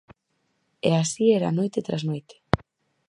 E así era noite tras noite.